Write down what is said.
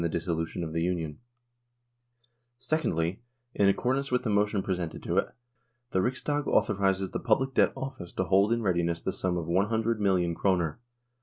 THE DISSOLUTION OF THE UNION 141 " Secondly, in accordance with the motion pre sented to it, the Riksdag authorises the Public Debt Office to hold in readiness the sum of 100,000,000 kroner